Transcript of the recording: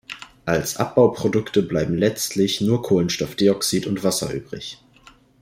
Als Abbauprodukte bleiben letztlich nur Kohlenstoffdioxid und Wasser übrig.